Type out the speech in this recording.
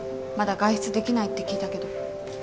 まだ外出できないって聞いたけど。